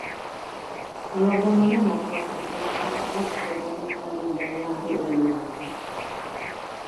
Alabama nem akarta feladni a rabszolga munkaerővel járó előnyöket.